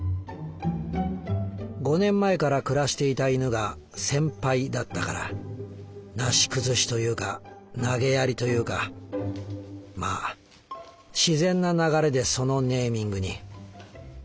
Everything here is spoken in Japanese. ５年前から暮らしていた犬がセンパイだったからなし崩しというか投げやりというかまあ自然な流れでそのネーミングに。